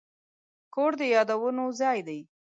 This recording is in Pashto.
کور د یادونو ځای دی.